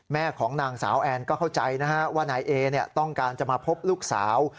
แม่ของนางสาวแอนก็เข้าใจนะฮะว่านายเอต้องการจะมาพบลูกสาว